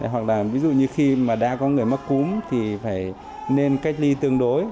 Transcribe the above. hoặc là ví dụ như khi mà đã có người mắc cúm thì phải nên cách ly tương đối